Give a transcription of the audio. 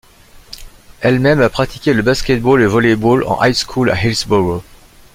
Elle-même a pratiqué le basket-ball et le volley-ball en high school à Hillsboro.